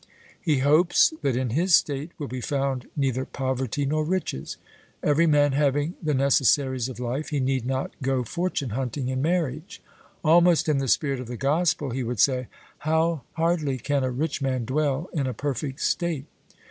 He hopes that in his state will be found neither poverty nor riches; every man having the necessaries of life, he need not go fortune hunting in marriage. Almost in the spirit of the Gospel he would say, 'How hardly can a rich man dwell in a perfect state.'